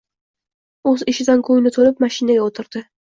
O‘z ishidan ko‘ngli to‘lib mashinaga o‘tirdi.